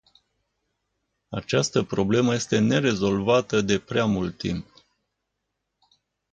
Această problemă este nerezolvată de prea mult timp.